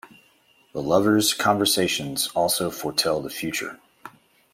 The lovers' conversations also foretell the future.